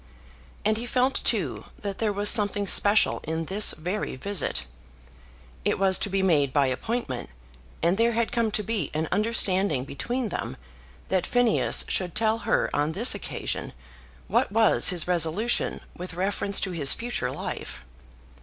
And he felt, too, that there was something special in this very visit. It was to be made by appointment, and there had come to be an understanding between them that Phineas should tell her on this occasion what was his resolution with reference to his future life.